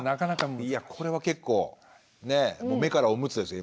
いやこれは結構ね目からオムツですよ。